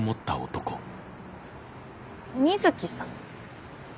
水木さん。